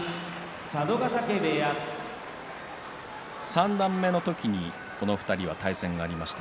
三段目の時にこの２人は対戦がありました。